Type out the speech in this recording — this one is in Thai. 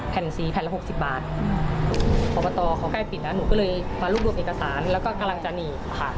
ภาพพรรตอเขาแก้ผิดแล้วหนูก็เลยมาลุกรวมเอกสารแล้วก็กำลังจะหนีอยู่ค่ะ